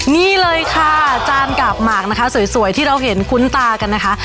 นี่เลยค่ะจานกาบหมากนะคะสวยที่เราเห็นคุ้นตากันนะคะ